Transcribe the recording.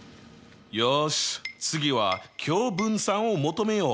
よし次は共分散を求めよう！